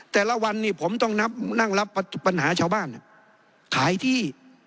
แต่ละวันนี้ผมต้องนั่งรับปัญหาชาวบ้านขายที่